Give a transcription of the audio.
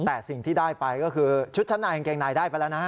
แต่สิ่งที่ได้ไปก็คือชุดชั้นในกางเกงในได้ไปแล้วนะฮะ